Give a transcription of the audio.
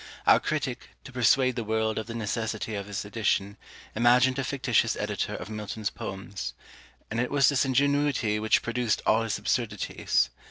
Our critic, to persuade the world of the necessity of his edition, imagined a fictitious editor of Milton's Poems: and it was this ingenuity which produced all his absurdities.